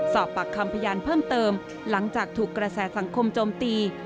สอบปากคำพยานเพิ่มเติมหลังจากถูกกระแสสังคมโจมตี